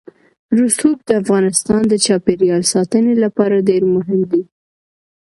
رسوب د افغانستان د چاپیریال ساتنې لپاره ډېر مهم دي.